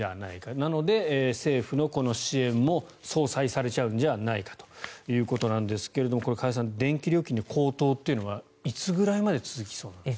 なので、政府のこの支援も相殺されちゃうんじゃないかということですがこれ、加谷さん電気料金の高騰というのはいつぐらいまで続きそうなんですか？